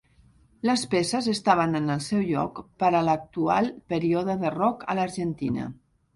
Les peces estaven en el seu lloc per a l'actual període de rock a l'Argentina.